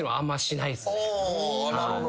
なるほど。